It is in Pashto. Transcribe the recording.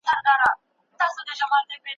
دا پټی د ثمر ګل د پلار میراث دی.